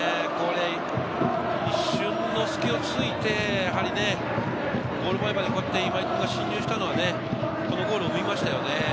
一瞬の隙を突いてゴール前まで今井君が進入して、このゴールを生みましたよね。